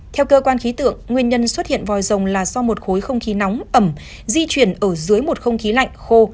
theo cơ quan khí tượng nguyên nhân xuất hiện vòi rồng là do một khối không khí nóng ẩm di chuyển ở dưới một không khí lạnh khô